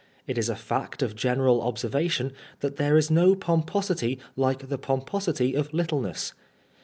It is a fact of general observation that there is no pomposity like the pomposity of littleness.